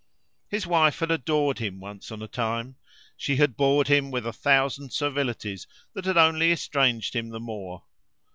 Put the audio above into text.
His wife had adored him once on a time; she had bored him with a thousand servilities that had only estranged him the more.